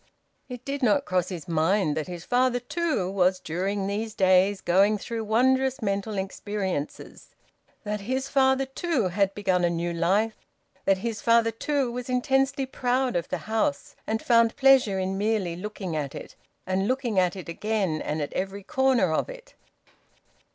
It did not cross his mind that his father too was during those days going through wondrous mental experiences, that his father too had begun a new life, that his father too was intensely proud of the house and found pleasure in merely looking at it, and looking at it again, and at every corner of it.